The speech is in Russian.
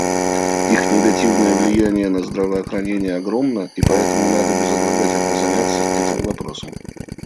Их негативное влияние на здравоохранение огромно, и поэтому надо безотлагательно заняться этим вопросом.